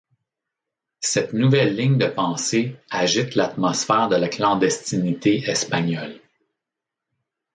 Cette nouvelle ligne de pensée agite l'atmosphère de la clandestinité espagnole.